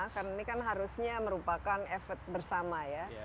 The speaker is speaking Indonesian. karena ini kan harusnya merupakan efek bersama ya